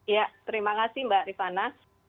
ya terima kasih mbak rifana